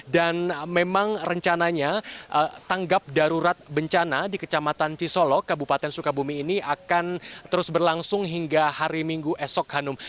dan memang rencananya tanggap darurat bencana di kecamatan cisolo kabupaten sukabumi ini akan terus berlangsung hingga hari minggu esok hanum